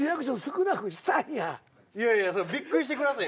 いやいやびっくりしてください。